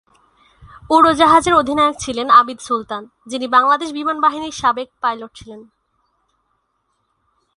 উড়োজাহাজের অধিনায়ক ছিলেন আবিদ সুলতান, যিনি বাংলাদেশ বিমান বাহিনীর সাবেক পাইলট ছিলেন।